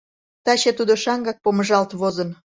Таче тудо шаҥгак помыжалт возын.